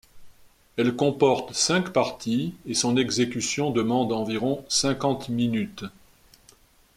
Elle comporte cinq parties et son exécution demande environ cinquante minutes.